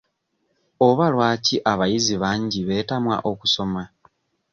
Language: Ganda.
Oba lwaki abayizi bangi beetamwa okusoma?